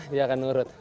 dia akan menurut